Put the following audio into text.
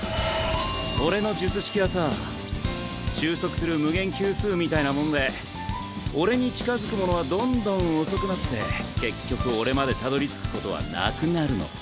俺の術式はさ収束する無限級数みたいなもんで俺に近づくものはどんどん遅くなって結局俺までたどりつくことはなくなるの。